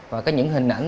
và những hình ảnh